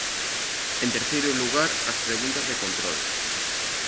En terceiro lugar, as preguntas de control.